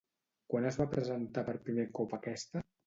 Quan es va presentar per primer cop aquesta?